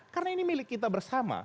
karena ini milik kita bersama